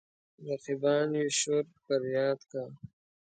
رقیبان يې شور فرياد کا.